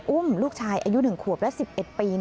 อุ้มลูกชายอายุ๑ขวบและ๑๑ปี